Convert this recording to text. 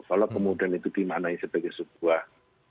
kalau kemudian itu dimaknai sebagai sebuah